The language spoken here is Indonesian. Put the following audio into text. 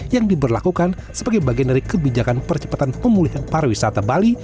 yang diberlakukan sebagai bagian dari kebijakan percepatan pemulihan pariwisata bali